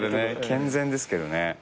健全ですけどね。